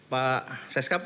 pak saya sekalian